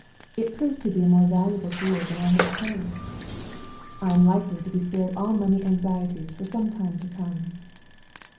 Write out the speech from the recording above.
It proved to be a more valuable jewel than I had supposed. I am likely to be spared all money anxieties for some time to come.